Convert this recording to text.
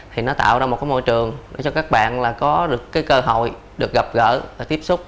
thì nó tạo ra một cái môi trường để cho các bạn có được cái cơ hội được gặp gỡ và tiếp xúc